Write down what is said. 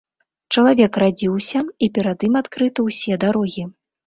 Чалавек радзіўся, і перад ім адкрыты ўсе дарогі.